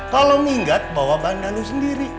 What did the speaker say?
kalau minggat bawa bandalu sendiri